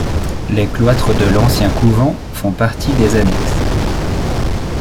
Les cloitres de l'ancien couvent font partie des annexes.